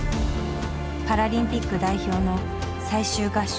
パラリンピック代表の最終合宿。